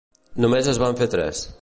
Només es van fer tres.